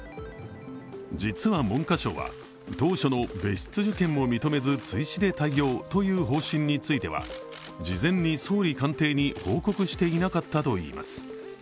実は文科省は、当初の別室受験も認めず追試で対応という方針については事前に総理官邸に報告していなかったといいます。